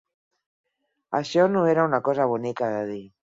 Això no era una cosa bonica de dir